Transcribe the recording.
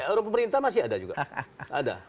orang pemerintahan masih ada juga ada